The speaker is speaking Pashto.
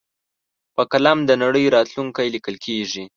په قلم د نړۍ راتلونکی لیکل کېږي.